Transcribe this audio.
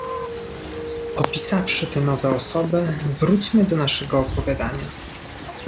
"Opisawszy te nowe osoby, wróćmy do naszego opowiadania."